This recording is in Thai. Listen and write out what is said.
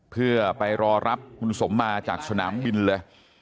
เพื่อไปรอรับคุณสมมาจากสนามบินเลย